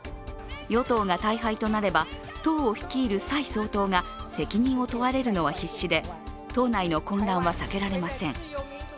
与党が大敗となれば党を率いる蔡総統が責任を問われるのは必至で党内の混乱は避けられません。